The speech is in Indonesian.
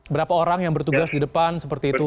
berapa orang yang bertugas di depan seperti itu